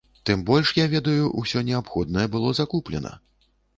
Тым больш, я ведаю, усё неабходнае было закуплена.